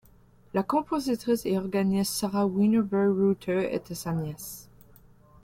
La compositrice et organiste Sara Wennerberg-Reuter était sa nièce.